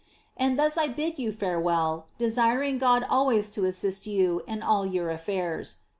And thus I bid you farewell, desiring God always to assist you in all your affairs.